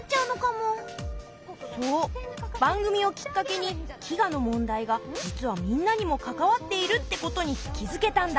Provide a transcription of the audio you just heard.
そう番組をきっかけに飢餓の問題が実はみんなにも関わっているってことに気づけたんだ。